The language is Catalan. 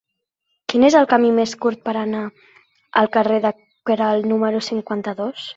Quin és el camí més curt per anar al carrer de Queralt número cinquanta-dos?